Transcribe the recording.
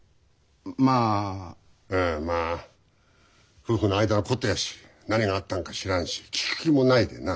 まあ夫婦の間のことやし何があったんか知らんし聞く気もないでな。